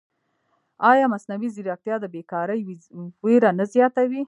ایا مصنوعي ځیرکتیا د بېکارۍ وېره نه زیاتوي؟